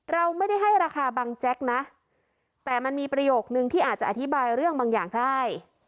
เราไม่ได้ให้ราคาบังแจ๊กนะแต่มันมีประโยคนึงที่อาจจะอธิบายเรื่องบางอย่างได้